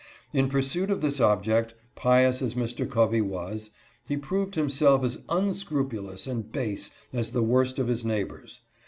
In pursuit. of this object, pious as Mr. Covey was, he proved himself as unscrupulous and base as the worst of his neighbors.